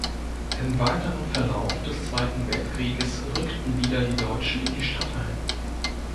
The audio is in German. Im weiteren Verlauf des Zweiten Weltkrieges rückten wieder die Deutschen in die Stadt ein.